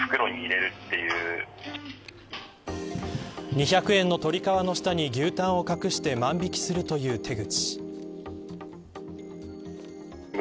２００円の鶏皮の下に牛タンを隠して万引するという手口。